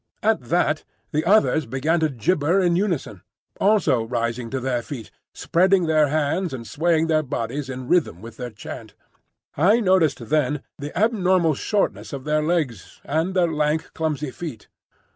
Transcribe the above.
At that the others began to gibber in unison, also rising to their feet, spreading their hands and swaying their bodies in rhythm with their chant. I noticed then the abnormal shortness of their legs, and their lank, clumsy feet.